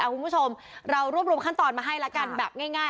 คุณผู้ชมเรารวบรวมขั้นตอนมาให้ละกันแบบง่าย